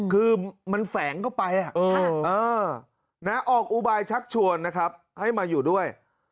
คือมันแขวงเข้าไปอย่ะอู้วนะออกอุบายชักชวนนะครับให้มาอยู่ด้วย